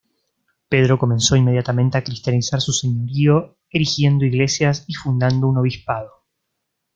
Pedro comenzó inmediatamente a cristianizar su señorío, erigiendo iglesias y fundando un obispado.